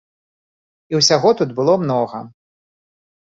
І ўсяго тут было многа.